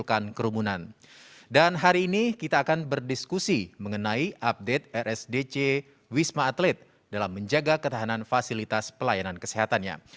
hari ini kita akan berdiskusi mengenai update rsdc wisma atlet dalam menjaga ketahanan fasilitas pelayanan kesehatannya